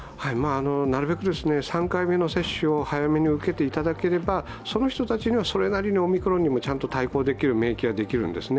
なるべく３回目の接種を早めに受けていただければその人たちにはそれなりにオミクロン株にも対抗できる免疫ができるんですね。